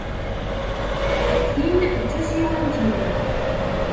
Tin d tasiwant-inu.